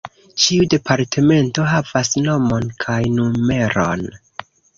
Ĉiu departemento havas nomon kaj numeron.